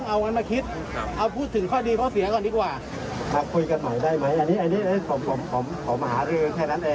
เก็บรอบขึ้นตลอดสังวันแบบบ้านคุณ